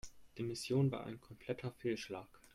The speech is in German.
Die Mission war ein kompletter Fehlschlag.